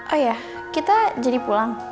oh ya kita jadi pulang